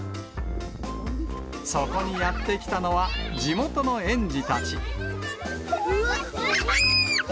そこにやって来たのは、地元の園児たち。